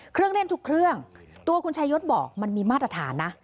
เครื่องเล่นทุกเครื่องตัวคุณชายศบอกมันมีมาตรฐานนะ